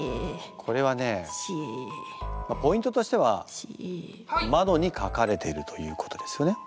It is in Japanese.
これはねポイントとしては窓に書かれてるということですよね。